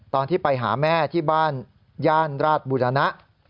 ตอนที่ไปหาแม่ที่บ้านย่านราชบุรณะ